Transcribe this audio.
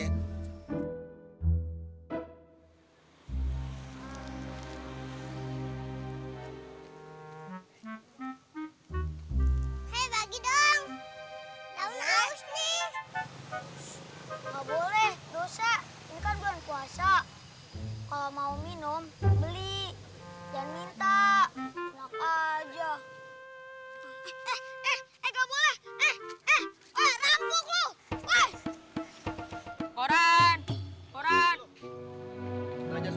jangan keliatan appointment otlo